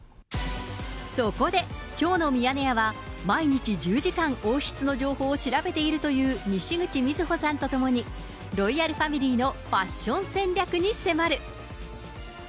そこできょうのミヤネ屋は、毎日１０時間、王室の情報を調べているというにしぐち瑞穂さんと共に、ロイヤルファミリーのファッション戦略に迫る。